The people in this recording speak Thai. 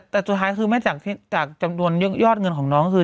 แต่สุดท้ายคือจากจำนวนยอดเงินของน้องคือ